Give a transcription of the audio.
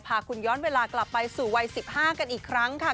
พาคุณย้อนเวลากลับไปสู่วัย๑๕กันอีกครั้งค่ะ